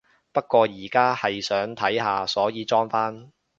不過而家係想睇下，所以裝返